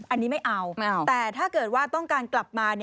อันนี้ไม่เอาแต่ถ้าเกิดว่าต้องการกลับมา